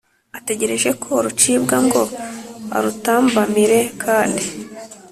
ategereje ko rucibwa ngo arutambamire kandi